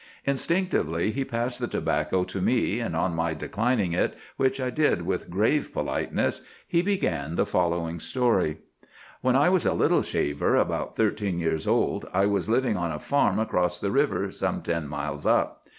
"Instinctively he passed the tobacco to me; and on my declining it, which I did with grave politeness, he began the following story:— "When I was a little shaver about thirteen years old, I was living on a farm across the river, some ten miles up.